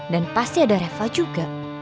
dan pasti ada reva juga